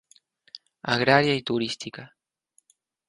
Agraria y turística.